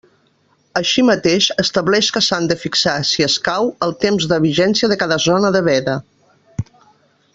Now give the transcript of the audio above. Així mateix, estableix que s'han de fixar, si escau, els temps de vigència de cada zona de veda.